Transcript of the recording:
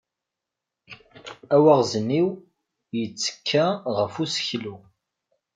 Awaɣzniw yettekka ɣef useklu.